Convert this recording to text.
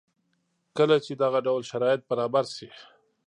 کله چې دغه ډول شرایط برابر شي